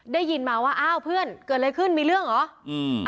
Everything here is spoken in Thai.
ได้ยินมาว่าอ้าวเพื่อนเกิดอะไรขึ้นมีเรื่องเหรออืม